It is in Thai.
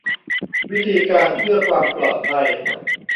วิธีการเพื่อความปลอดภัย